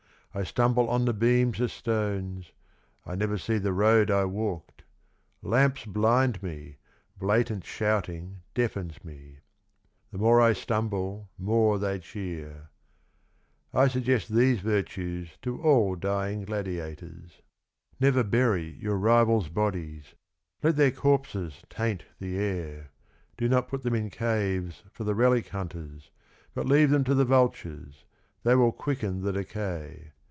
I stumble on the beams as stones, I never see the road I walked : lamps blind me; blatant shouting deafens me : The more I stumble, more they cheer — I suggest these virtues to all dying gladiators. 32 Never bury your rival's bodies, let their corpses taint the air; do not put them in caves for the relic hunters, but leave them to the vultures, they will quicken the decay.